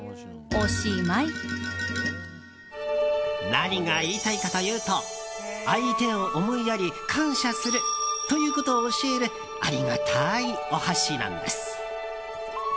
何が言いたいかというと相手を思いやり感謝するということを教えるありがたいお箸なんです。